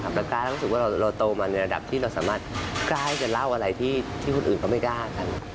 กล้าแล้วรู้สึกว่าเราโตมาในระดับที่เราสามารถกล้าให้จะเล่าอะไรที่คนอื่นก็ไม่กล้ากัน